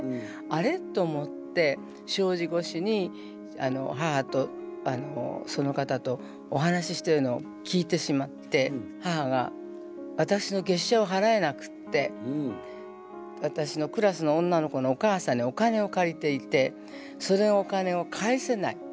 「あれ？」と思って障子越しに母とその方とお話ししてるのを聞いてしまって母が私の月謝をはらえなくって私のクラスの女の子のお母さんにお金を借りていてそのお金を返せない。